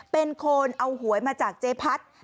เป็นคนเอาหวยมาจากเจ๊พัด